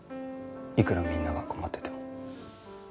いくらみんなが困ってても。